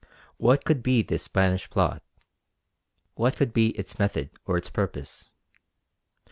What could be this Spanish plot; what could be its method or its purpose?